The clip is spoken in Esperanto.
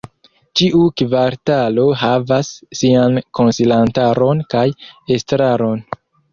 Ĉiu kvartalo havas sian konsilantaron kaj estraron.